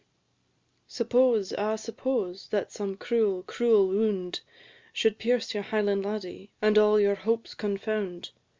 "Suppose, ah, suppose, that some cruel, cruel wound, Should pierce your Highland laddie, and all your hopes confound!"